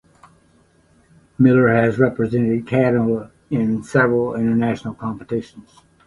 Miller has represented Canada in several international competitions.